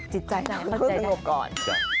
อ๋อจิตใจต้องสงบก่อน